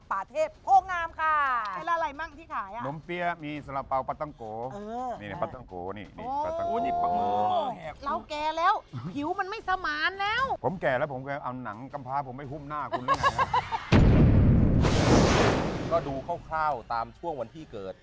ป่าเทพโภคงามค่ะก็ดูคร่าวตามช่วงวันที่เกิด